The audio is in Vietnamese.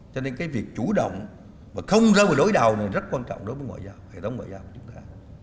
cho nên cái việc chủ động và không ra một đối đào này rất quan trọng đối với ngoại giao hệ thống ngoại giao của chúng ta